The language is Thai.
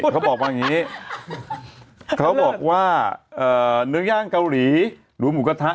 เขาบอกว่าเนื้อย่างเกาหลีหรือหมูกระทะ